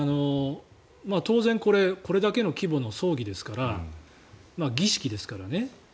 当然、これだけの規模の葬儀ですから儀式ですからね。